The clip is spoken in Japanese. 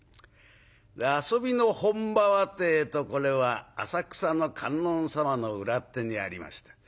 遊びの本場はってえとこれは浅草の観音様の裏手にありました。